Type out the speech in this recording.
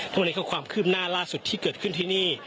ตรงนี้คือความคืบหน้าล่าสุดที่เกิดขึ้นที่นี่